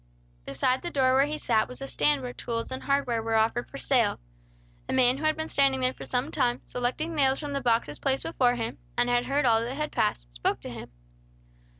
Beside the door where he sat was a stand where tools and hardware were offered for sale. A man who had been standing there for some time, selecting nails from the boxes placed before him, and had heard all that passed, spoke to him.